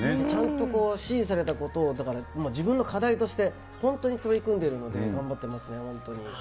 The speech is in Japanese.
ちゃんと指示されたことを、自分の課題として、本当に取り組んでいるので、頑張ってますね、本当に。